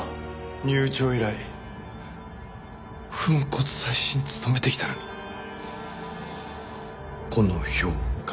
入庁以来粉骨砕身つとめてきたのにこの評価。